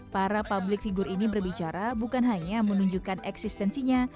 para publik figur ini berbicara bukan hanya menunjukkan eksistensinya